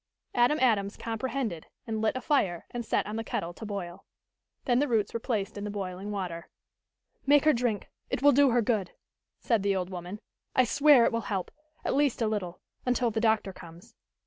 Adam Adams comprehended, and lit a fire and set on the kettle to boil. Then the roots were placed in the boiling water. "Make her drink it will do her good," said the old woman. "I swear it will help, at least a little until the doctor comes."